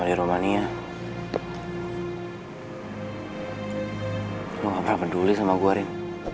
di romania lo gak pernah peduli sama gue rin